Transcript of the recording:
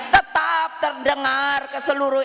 tetap terdengar ke seluruh